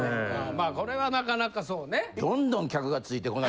まあこれはなかなかそうね。